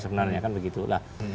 sebenarnya kan begitu lah